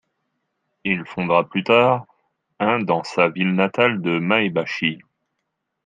Il fondera plus tard un dans sa ville natale de Maebashi.